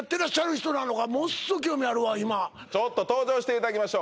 それもはい今ちょっと登場していただきましょう